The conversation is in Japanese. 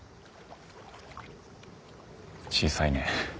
小さいね。